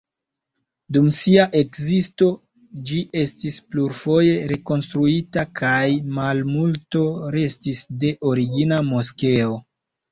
Dum sia ekzisto ĝi estis plurfoje rekonstruita, kaj malmulto restis de origina moskeo.